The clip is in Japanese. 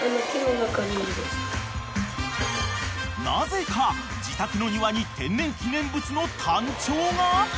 ［なぜか自宅の庭に天然記念物のタンチョウが］